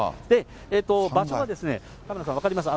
場所が、カメラさん分かります？